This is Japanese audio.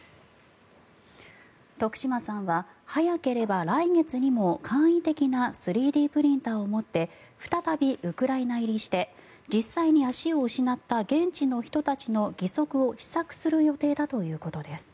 徳島さんは早ければ来月にも簡易的な３Ｄプリンターを持って再びウクライナ入りして実際に足を失った現地の人たちの義足を試作する予定だということです。